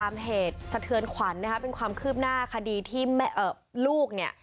เหตุสะเทือนขวัญนะครับเป็นความคืบหน้าคดีที่แม่ลูกเนี่ย